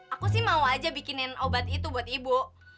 aku sih mau aja bikinin obat itu buat ibu